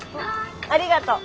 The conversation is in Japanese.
ありがとう。